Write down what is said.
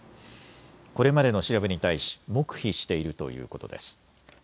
これまでの調べに対し黙秘しているということです。